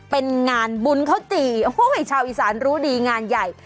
เป็นงานบุญข้าวจี่โอ้โหชาวอีสานรู้ดีงานใหญ่